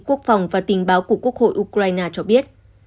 quốc phòng và tình báo của quốc hội ukraine cho biết